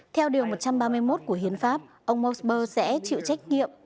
theo điều một trăm ba mươi một của hiến pháp ông morsper sẽ chịu trách nhiệm